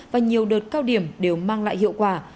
và nhiều đợt cao điểm đều mang lại hiệu quả